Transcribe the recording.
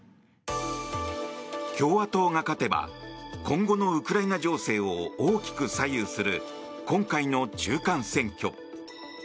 共和党が勝てば今後のウクライナ情勢を大きく左右する今回の中間選挙。